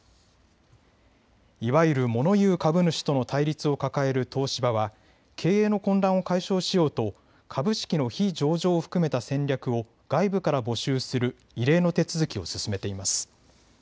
いわゆるモノ言う株主との対立を抱える東芝は経営の混乱を解消しようと株式の非上場を含めた戦略を外部から募集する異例の手続きを進めています。